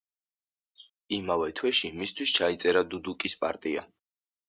იმავე თვეში მისთვის ჩაიწერა დუდუკის პარტია.